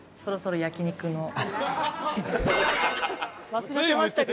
忘れてましたけど。